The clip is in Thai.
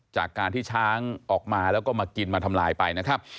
จากการที่ช้างออกมาแล้วก็มากินมาทำลายไปนะครับ